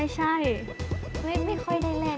ไม่ค่อยได้แรงในช่วงนี้